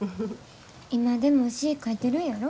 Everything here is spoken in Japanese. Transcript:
今でも詩ぃ書いてるんやろ？